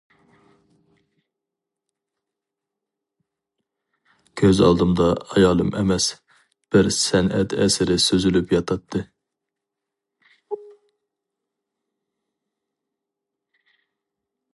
كۆز ئالدىمدا ئايالىم ئەمەس، بىر سەنئەت ئەسىرى سوزۇلۇپ ياتاتتى.